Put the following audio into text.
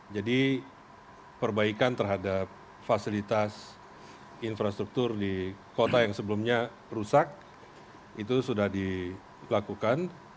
jadi perbaikan terhadap fasilitas infrastruktur di kota yang sebelumnya rusak itu sudah dilakukan